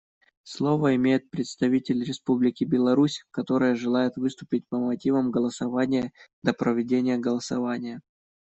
Слово имеет представитель Республики Беларусь, которая желает выступить по мотивам голосования до проведения голосования.